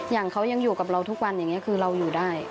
อย่างเขายังอยู่กับเราทุกวันอย่างนี้คือเราอยู่ได้